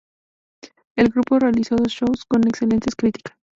El grupo realizó dos shows con excelentes críticas.